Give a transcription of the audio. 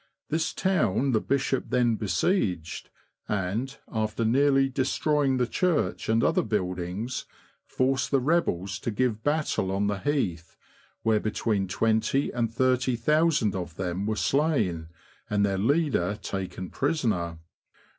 This town the Bishop then besieged, and, after nearly destroying the church and other buildings, forced the rebels to give battle on the Heath, where between twenty and thirty thousand of them were slain, and their leader taken prisoner.